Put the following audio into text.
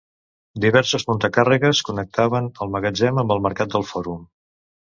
Diversos muntacàrregues connectaven el magatzem amb el mercat del fòrum.